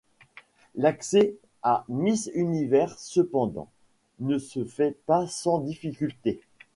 L'accès à Miss Univers, cependant, ne se fait pas sans difficultés.